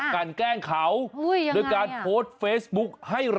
กันแกล้งเขาโดยการโพสต์เฟซบุ๊กให้รอ